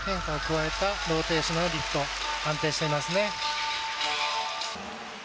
変化を加えたローテーションのリフト、安定していますね。